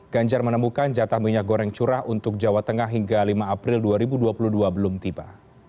ganjar menemukan jatah minyak goreng curah untuk jawa tengah hingga lima april dua ribu dua puluh dua belum tiba